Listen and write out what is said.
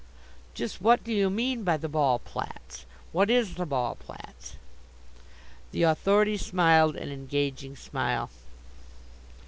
"Just what do you mean by the Ballplatz? What is the Ballplatz?" The Authority smiled an engaging smile.